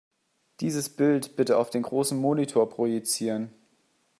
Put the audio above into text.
Dieses Bild bitte auf den großen Monitor projizieren.